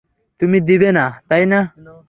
তুমি দিবে না, তাই না?